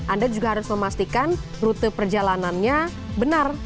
anda juga harus memastikan rute perjalanannya benar